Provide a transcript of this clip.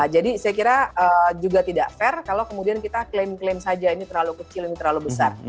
jadi saya kira juga tidak fair kalau kemudian kita klaim klaim saja ini terlalu kecil ini terlalu besar